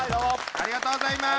ありがとうございます。